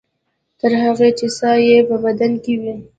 تر هغې چې ساه یې په بدن کې وي.